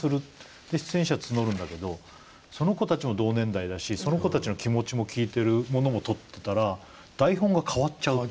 で出演者募るんだけどその子たちも同年代だしその子たちの気持ちも聞いているものも撮ってたら台本が変わっちゃうわけ。